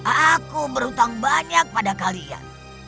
aku berhutang banyak pada kalian